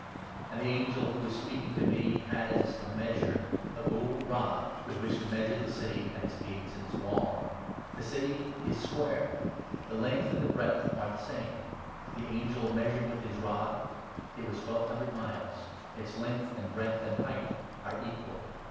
And the 15 angel who was speaking to me had as a measure a gold rod, with which to measure the City and its gates and its wall. The City is square ; the length and the breadth are the 16 same. The angel measured with his rod ; it was twelve hun dred miles ; its length, and breadth, and height are equal.